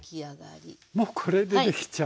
もうこれでできちゃう。